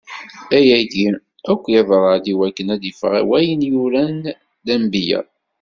Ayagi akk iḍra-d iwakken ad iffeɣ wayen uran lenbiya.